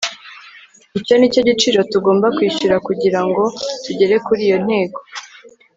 icyo ni cyo giciro tugomba kwishyura kugira ngo tugere kuri iyo ntego